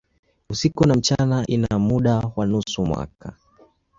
Usiku na mchana ina muda wa nusu mwaka.